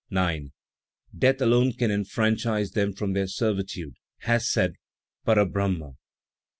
9. "Death alone can enfranchise them from their servitude," has said Para Brahma.